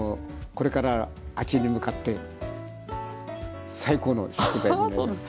これから秋に向かって最高の食材になります。